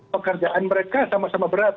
pekerjaan mereka sama sama berat